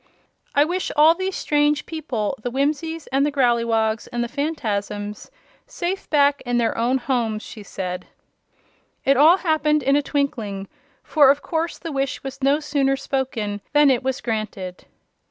"I wish all these strange people the Whimsies and the Growleywogs and the Phanfasms safe back in their own homes!" she said. It all happened in a twinkling, for of course the wish was no sooner spoken than it was granted.